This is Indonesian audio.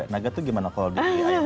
naga itu gimana kalau begini